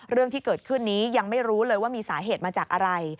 เรื่องที่เกิดขึ้นนี้ยังไม่รู้เลยว่ามีสาเหตุมาจากอะไร